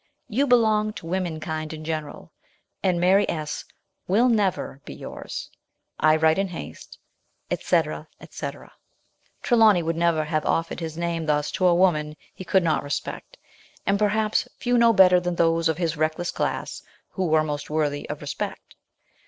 You belong to womenkind in general, and Mary S. will never be yours. I write in haste," &c, &c. Trelawny would never have offered his name thus to a woman he could not respect, and perhaps few know 184 MRS. SHELLEY. better than those of his reckless class who are most worthy of respect.